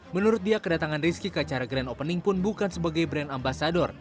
menurut dia kedatangan rizky ke acara grand opening pun bukan sebagai brand ambasador